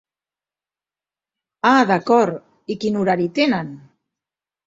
Ah d'acord, i quin horari tenen?